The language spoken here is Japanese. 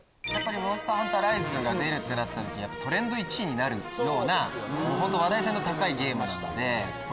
『モンスターハンターライズ』が出るってなった時トレンド１位になるような話題性の高いゲームなので。